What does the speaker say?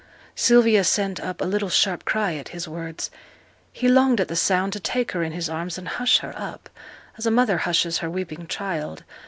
Sylvia sent up a little sharp cry at his words. He longed at the sound to take her in his arms and hush her up, as a mother hushes her weeping child.